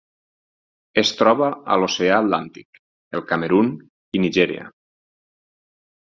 Es troba a l'Oceà Atlàntic: el Camerun i Nigèria.